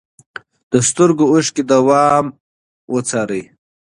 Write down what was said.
د سترګو اوښکې دوام وڅارئ.